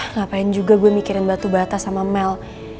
ngapain juga gue mikirin batu bata sama mel